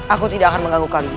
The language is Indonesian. aku tidak akan mengganggu kalinya